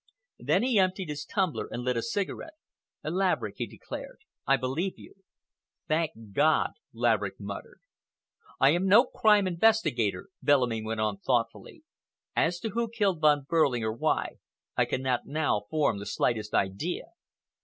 Then he emptied his tumbler and lit a cigarette. "Laverick," he declared, "I believe you." "Thank God!" Laverick muttered. "I am no crime investigator," Bellamy went on thoughtfully. "As to who killed Von Behrling, or why, I cannot now form the slightest idea.